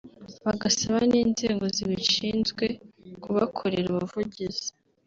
bagasaba n’inzego zibishinzwe kubakorera ubuvugizi